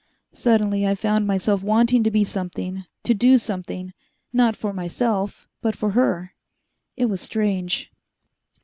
Suddenly I found myself wanting to be something, to do something not for myself, but for her. It was strange.